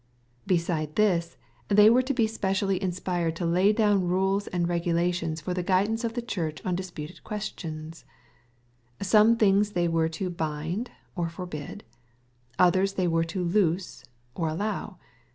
— Beside this, they were to be specially inspired to lay down rules and regulations for the guidance of the Church on disputed questions Some things they were to " bind" or forbid ;— others they were to ""loose" or allow.